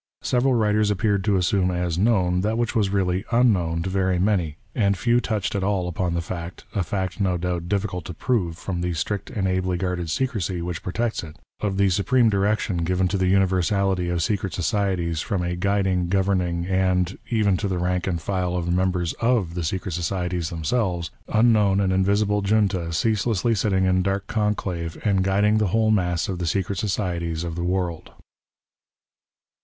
Several writers appeared to assume as known that wdiich w^as really unknown to very many ; and few touched at all .upon the fact — a fact, no doubt, difficult to prove from the strict and ably guarded secrecy wdiich protects it — of th^e supreme direction given to the univer sality of secret societies from a guiding, governing, and —• even to the rank and file of the members of the secret Xii PREFACE. societies themselves — unknown and invisible junta cease lessly sitting in dark conclave and guiding the whole mass of the secret societies of the world.